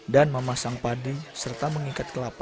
dan memasang padi serta mengikat kelapa